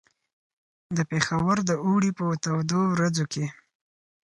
د پېښور د اوړي په تودو ورځو کې.